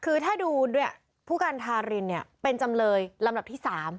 คือถ้าดูด้วยผู้การทารินเนี่ยเป็นจำเลยลำดับที่๓